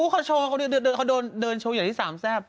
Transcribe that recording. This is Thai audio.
ขอโชว์เขาเดินโชว์ใหญ่ที่๓แซ่บ